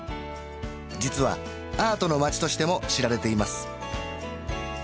実はアートの街としても知られています